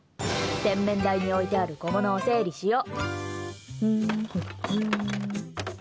洗面台に置いてある小物を整理しよ。